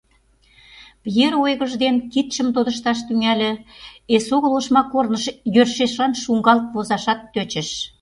Пьеро ойгыж дене кидшым тодышташ тӱҥале, эсогыл ошма корныш йӧршешлан шуҥгалт возашат тӧчыш.